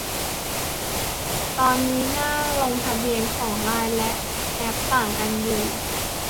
ตอนนี้หน้าลงทะเบียนของไลน์และแอป ต่างกันอยู่